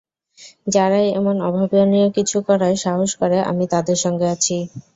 যারাই এমন অভাবনীয় কিছু করার সাহস করে, আমি তাদের সঙ্গে আছি।